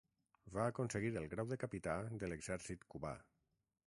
Va aconseguir el grau de Capità de l'exèrcit cubà.